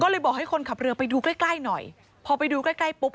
ก็เลยบอกให้คนขับเรือไปดูใกล้ใกล้หน่อยพอไปดูใกล้ใกล้ปุ๊บ